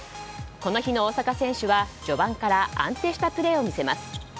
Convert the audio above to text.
この日の大坂選手は序盤から安定したプレーを見せます。